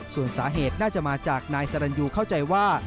ส่วนสาเหตุน่าจะมาจากนายสรรยูเข้าใจว่า